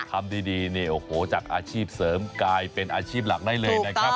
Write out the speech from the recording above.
ทำดีนี่โอ้โหจากอาชีพเสริมกลายเป็นอาชีพหลักได้เลยนะครับ